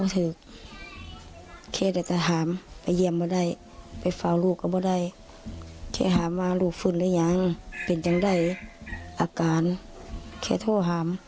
สูมาแล้วครับ